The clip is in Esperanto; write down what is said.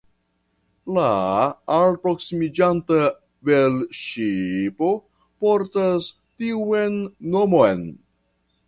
La alproksimiĝanta velŝipo portas tiun nomon.